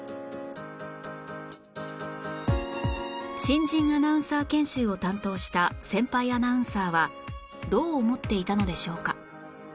新人アナウンサー研修を担当した先輩アナウンサーはどう思っていたのでしょうか？